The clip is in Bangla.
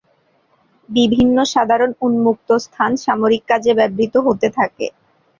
বিভিন্ন সাধারণ উন্মুক্ত স্থান সামরিক কাজে ব্যবহৃত হতে থাকে।